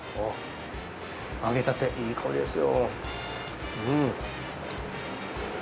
揚げたて、いい香りですよ。